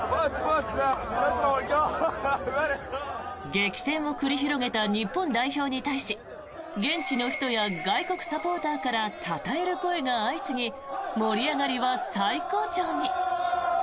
激戦を繰り広げた日本代表に対し現地の人や外国サポーターからたたえる声が相次ぎ盛り上がりは最高潮に。